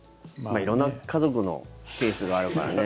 色んな家族のケースがあるからね。